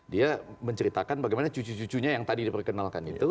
dia menceritakan bagaimana cucu cucunya yang tadi diperkenalkan itu